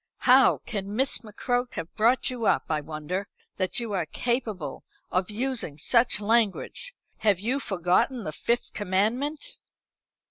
How can Miss McCroke have brought you up, I wonder, that you are capable of using such language? Have you forgotten the Fifth Commandment?"